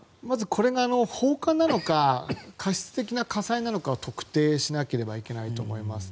これが放火なのか過失的な火災なのかを特定しなければいけないと思います。